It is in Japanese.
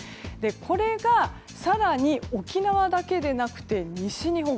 これが更に沖縄だけではなくて西日本